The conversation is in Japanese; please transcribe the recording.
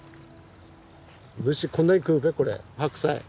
虫こんなに食うべこれ白菜。